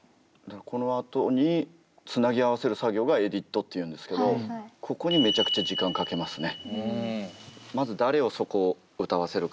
このあとにつなぎ合わせる作業がエディットっていうんですけどここにまずそこはかなりこだわってますね。